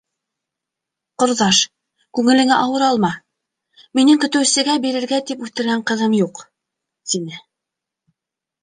Ҡорҙаш, күңелеңә ауыр алма, минең көтөүсегә бирергә тип үҫтергән ҡыҙым юҡ, — тине.